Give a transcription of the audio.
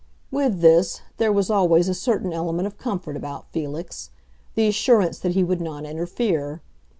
With this, there was always a certain element of comfort about Felix—the assurance that he would not interfere.